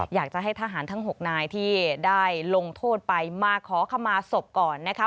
อยากจะให้ทหารทั้ง๖นายที่ได้ลงโทษไปมาขอขมาศพก่อนนะคะ